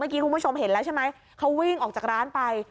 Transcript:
คุณผู้ชมเห็นแล้วใช่ไหมเขาวิ่งออกจากร้านไป